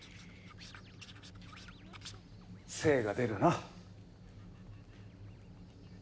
精が出るな。